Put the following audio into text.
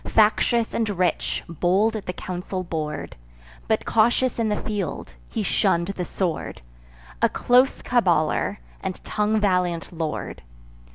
Factious and rich, bold at the council board, But cautious in the field, he shunn'd the sword; A close caballer, and tongue valiant lord.